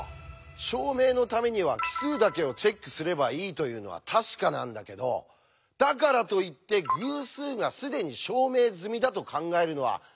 証明のためには奇数だけをチェックすればいいというのは確かなんだけどだからといって偶数が既に証明済みだと考えるのは間違いなんですね。